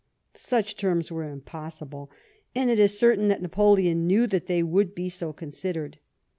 JSuch terms were impossible, and it is certain that Napoleon knew that they would be so considered.